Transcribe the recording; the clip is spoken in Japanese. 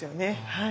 はい。